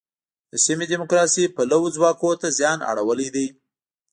د سیمې دیموکراسي پلوو ځواکونو ته زیان اړولی دی.